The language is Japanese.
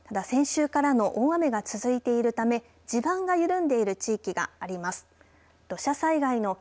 ただ、先週からの大雨が続いているため地盤が緩んでいる地域があります。